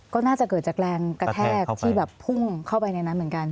ก็น่าจะเกิดจากแรงกระแทกที่แบบพุ่งเข้าไปในนั้นเหมือนกัน